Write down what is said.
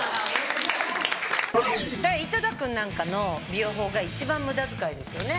だから井戸田君なんかの美容法が一番無駄遣いですよね。